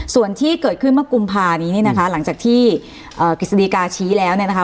ส่วนที่เกิดขึ้นเมื่อกุมภานี้เนี่ยนะคะหลังจากที่กฤษฎีกาชี้แล้วเนี่ยนะคะ